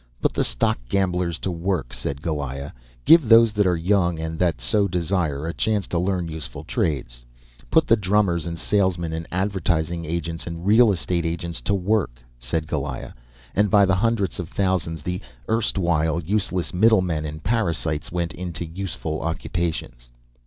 "Put the stock gamblers to work," said Goliah; "give those that are young, and that so desire, a chance to learn useful trades." "Put the drummers, and salesmen, and advertising agents, and real estate agents to work," said Goliah; and by hundreds of thousands the erstwhile useless middlemen and parasites went into useful occupations.